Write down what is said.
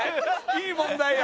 いい問題や。